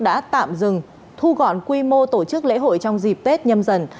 đã tạm dừng thu gọn quy mô tổ chức lễ hội trong dịp tết nhâm dần